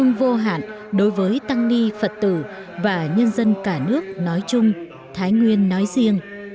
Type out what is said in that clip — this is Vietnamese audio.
giới tăng ni phật tử và nhân dân cả nước nói chung thái nguyên nói riêng